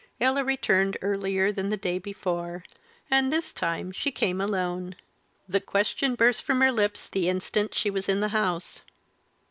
Ella returned earlier than the day before, and, this time, she came alone. The question burst from her lips the instant she was in the house.